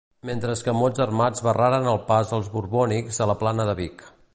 Mentre escamots armats barraren el pas als borbònics a la plana de Vic.